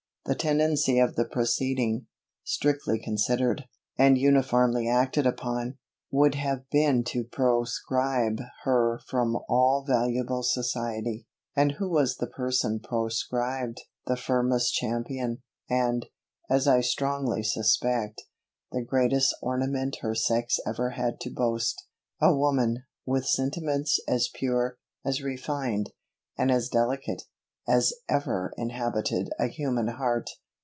The tendency of the proceeding, strictly considered, and uniformly acted upon, would have been to proscribe her from all valuable society. And who was the person proscribed? The firmest champion, and, as I strongly suspect, the greatest ornament her sex ever had to boast! A woman, with sentiments as pure, as refined, and as delicate, as ever inhabited a human heart!